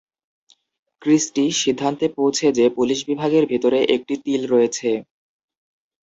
Christie সিদ্ধান্তে পৌঁছে যে পুলিশ বিভাগের ভিতরে একটি তিল রয়েছে।